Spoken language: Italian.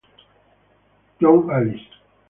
Young Allies